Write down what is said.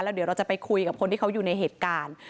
เดี๋ยวเราจะไปคุยกับคนที่เขาอยู่ในเหตุการณ์